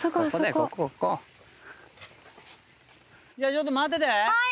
ちょっと待ってて。